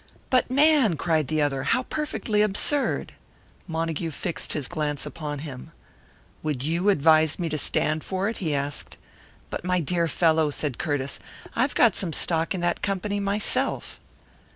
"But, man!" cried the other. "How perfectly absurd!" Montague fixed his glance upon him. "Would you advise me to stand for it?" he asked. "But, my dear fellow!" said Curtiss. "I've got some stock in that company myself."